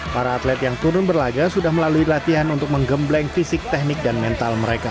para atlet yang turun berlaga sudah melalui latihan untuk menggembleng fisik teknik dan mental mereka